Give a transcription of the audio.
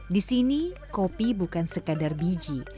di sini kopi bukan sekadar biji